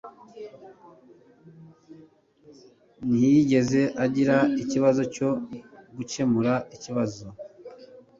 Ntiyigeze agira ikibazo cyo gukemura ikibazo